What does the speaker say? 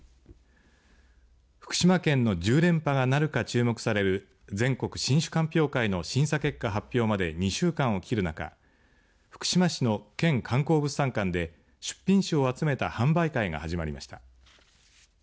福島県の１０連覇がなるか注目される全国新酒鑑評会の審査結果発表まで２週間を切る中福島市の県観光物産館で出品酒を集めた販売会が始まりました。